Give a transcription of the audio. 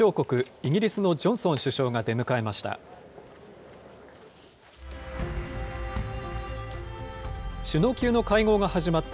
イギリスのジョンソン首相が出迎えました。